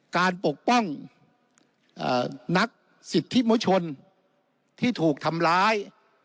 การปกป้องเอ่อนักสิทธิมชนที่ถูกทำร้าย